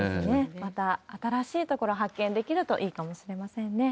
また新しい所、発見できるといいかもしれませんね。